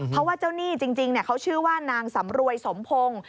เพราะว่าเจ้าหนี้จริงเขาชื่อว่านางสำรวยสมพงศ์